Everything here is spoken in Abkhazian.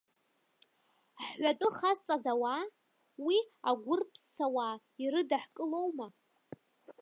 Ҳҳәатәы хазҵаз ауаа, уи агәырԥсауаа ирыдаҳкылоума?